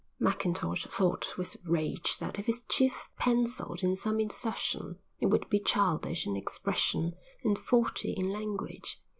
Mackintosh thought with rage that if his chief pencilled in some insertion it would be childish in expression and faulty in language.